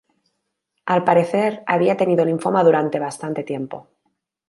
Al parecer, había tenido linfoma durante bastante tiempo.